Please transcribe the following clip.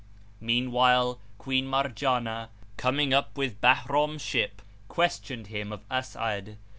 [FN#396] Meanwhile, Queen Marjanah, coming up with Bahram's ship, questioned him of As'ad.